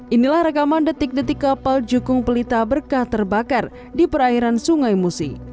inilah rekaman detik detik kapal jukung pelita berkah terbakar di perairan sungai musi